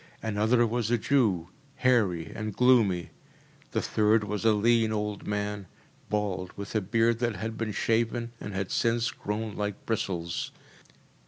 Another was a Jew, hairy and gloomy. The third was a lean old man, bald, with a beard that had been shaven and had since grown like bristles.